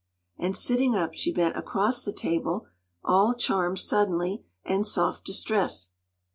” And sitting up, she bent across the table, all charm suddenly, and soft distress.